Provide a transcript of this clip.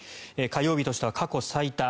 火曜日としては過去最多。